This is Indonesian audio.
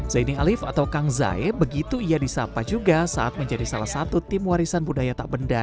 zaini alif atau kang zae begitu ia disapa juga saat menjadi salah satu tim warisan budaya tak benda